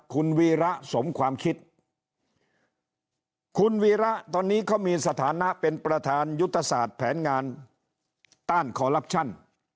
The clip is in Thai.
คุณวีระสมความคิดคุณวีระตอนนี้เขามีสถานะเป็นประธานยุทธศาสตร์แผนงานต้านคอลลับชั่น